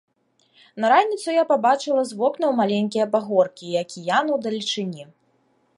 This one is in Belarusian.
На раніцу я пабачыла з вокнаў маленькія пагоркі і акіян удалечыні.